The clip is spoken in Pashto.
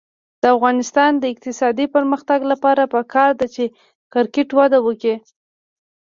د افغانستان د اقتصادي پرمختګ لپاره پکار ده چې کرکټ وده وکړي.